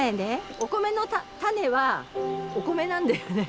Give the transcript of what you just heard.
お米の種はお米なんだよね。